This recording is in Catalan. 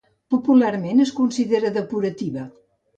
Popularment es considera depurativa.